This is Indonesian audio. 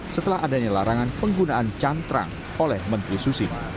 setelah adanya larangan penggunaan cantrang oleh menteri susi